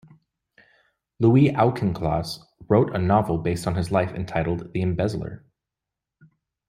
Louis Auchincloss wrote a novel based on his life entitled "The Embezzler".